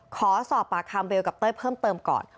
ขอสอบปากคำเบลกับเต้ยเพิ่มเติมก่อน